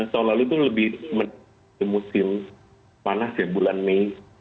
tahun lalu itu lebih musim panas ya bulan mei